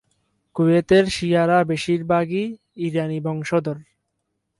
কুয়েতের শিয়ারা বেশিরভাগই ইরানী বংশধর।